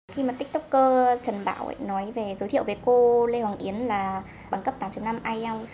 khi mà tiktoker trần bảo nói về giới thiệu với cô lê hoàng yến là bằng cấp tám năm ielts